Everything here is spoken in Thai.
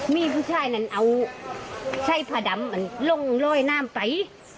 มีผู้ชายนั้นเอาใช้ผ้าดำมันลงลอยน้ำไป